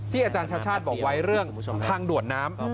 อาจารย์ชาติชาติบอกไว้เรื่องทางด่วนน้ำ